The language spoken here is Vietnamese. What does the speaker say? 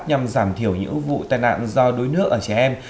nhằm giảm thiểu những vụ tai nạn do đuối nước ở trẻ em